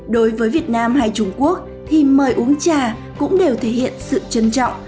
đối với việt nam hay trung quốc thì mời uống trà cũng đều thể hiện sự trân trọng